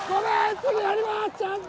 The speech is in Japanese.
次やりますちゃんと！